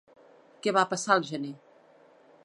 Què va passar al gener?